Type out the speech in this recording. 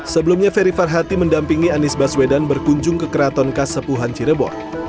sebelumnya ferry farhati mendampingi anies baswedan berkunjung ke keraton kasepuhan cirebon